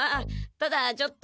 ただちょっと。